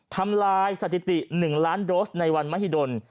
ทำลายสถิติ๑ล้านโดสในวันมหิดล